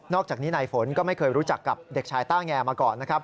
อกจากนี้นายฝนก็ไม่เคยรู้จักกับเด็กชายต้าแงมาก่อนนะครับ